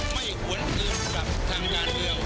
ไม่หวนอื่นกับทางงานเดียว